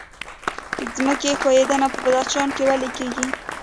ځمکې ښویدنه په بدخشان کې ولې کیږي؟